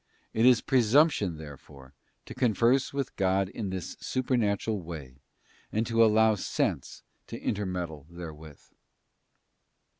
It is presumption therefore to converse with God in this supernatural way and to allow sense to intermeddle therewith.